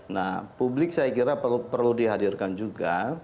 nah publik saya kira perlu dihadirkan juga